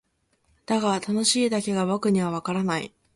だが「楽しい」だけが僕にはわからない。